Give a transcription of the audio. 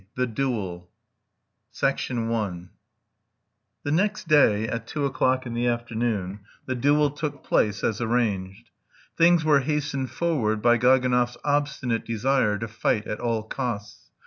THE DUEL I THE NEXT DAY, at two o'clock in the afternoon, the duel took place as arranged. Things were hastened forward by Gaganov's obstinate desire to fight at all costs.